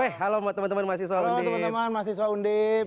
halo teman teman mahasiswa undib